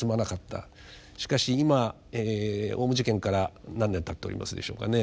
しかし今オウム事件から何年たっておりますでしょうかね。